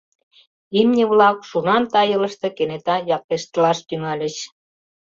Имне-влак шунан тайылыште кенета яклештылаш тӱҥальыч.